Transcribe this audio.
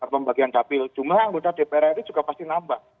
pembagian dapil jumlah anggota dprr ini juga pasti nambah